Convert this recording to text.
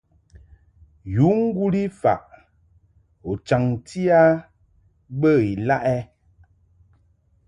Yu ŋguli faʼ u chaŋti a bə ilaʼ ɛ ?